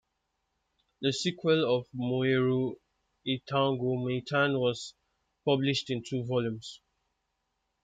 The sequel of "Moeru Eitango Moetan" was published in two volumes.